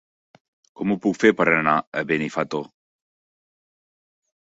Com ho puc fer per anar a Benifato?